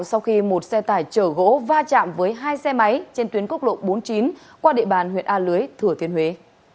sau khi một xe tải chở gỗ va chạm với hai xe máy trên tuyến quốc lộ bốn mươi chín qua địa bàn huyện a lưới thừa thiên huế